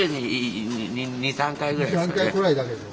２３回ぐらいだけど。